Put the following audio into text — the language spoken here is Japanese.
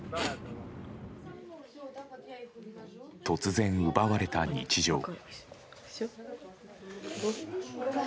突然奪われた日常。